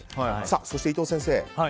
そして、伊藤先生